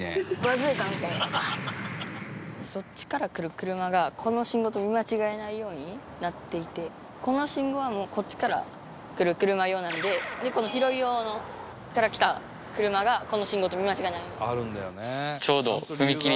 そっちから来る車がこの信号と見間違えないようになっていてこの信号はもうこっちから来る車用なのでこの広い用のから来た車がこの信号と見間違えないように。